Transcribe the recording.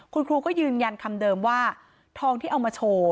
คุณครูก็ยืนยันคำเดิมว่าทองที่เอามาโชว์